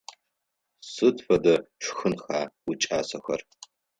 Сыд фэдэ шхынха уикӏасэхэр?